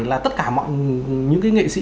là tất cả mọi những cái nghệ sĩ